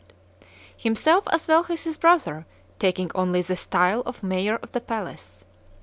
himself, as well as his brother, taking only the style of mayor of the palace.